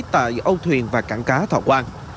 tại âu thuyền và cảng cá thọ quang